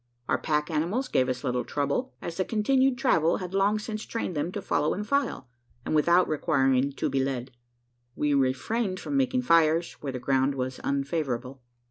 Our pack animals gave us little trouble: as the continued travel had long since trained them to follow in file, and without requiring to be led. We refrained from making fires, where the ground was unfavourable.